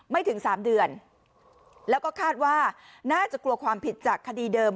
ถึงสามเดือนแล้วก็คาดว่าน่าจะกลัวความผิดจากคดีเดิม